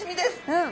うん。